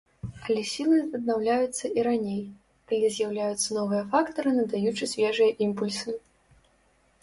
Але сілы аднаўляюцца і раней, калі з'яўляюцца новыя фактары, надаючы свежыя імпульсы.